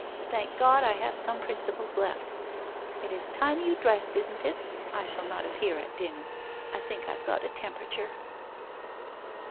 Thank God, I have some principles left. It is time you dressed, isn't it ? I shall not appear at dinner. I think I've got a temperature.'